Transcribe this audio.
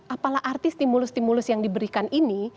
apalah arti stimulus stimulus yang diberikan ini